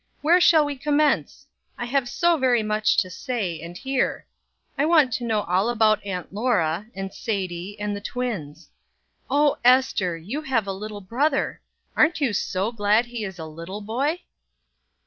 "Where shall we commence? I have so very much to say and hear; I want to know all about Aunt Laura, and Sadie, and the twins. Oh, Ester, you have a little brother; aren't you so glad he is a little boy?"